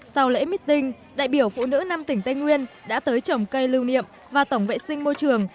sau lễ meeting đại biểu phụ nữ năm tỉnh tây nguyên đã tới trồng cây lưu niệm và tổng vệ sinh môi trường